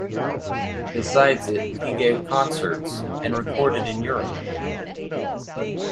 Besides it, he gave concerts and recorded in Europe.